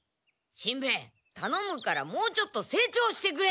しんべヱたのむからもうちょっと成長してくれ！